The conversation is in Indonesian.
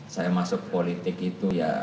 saya masuk politik itu ya